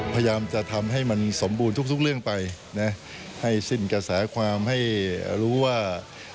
พยายามจะทำให้มันสมบูรณ์ทุกเรื่องไปนะให้สิ้นกระแสความให้รู้ว่า